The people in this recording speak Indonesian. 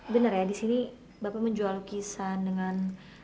benar ya di sini bapak menjual lukisan dengan